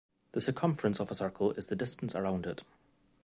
The circumference of a circle is the distance around it.